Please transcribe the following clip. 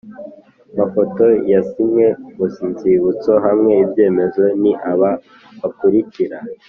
mafoto ya zimwe mu nzibutso bahawe ibyemezo ni aba bakurikira